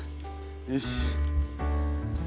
よし。